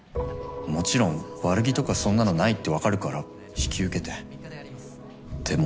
もちろん悪気とかそんなのないってわかるから引き受けてでも。